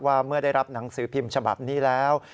เมื่อได้รับหนังสือพิมพ์ฉบับนี้แล้ว